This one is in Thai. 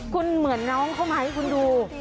คุณเหมือนน้องเขาไหมคุณดู